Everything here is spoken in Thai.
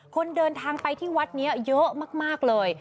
คนเดินทางไปที่วัดนี้เยอะมากเลย